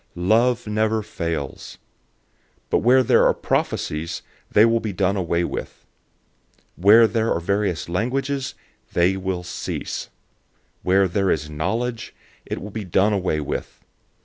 013:008 Love never fails. But where there are prophecies, they will be done away with. Where there are various languages, they will cease. Where there is knowledge, it will be done away with.